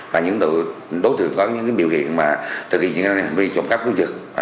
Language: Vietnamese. và những đối tượng có những biểu hiện thực hiện những hành vi trộm khắp cấp giật